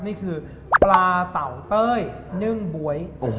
ถักเป็นปลาเต๋อไต้เนื้งบ๊วย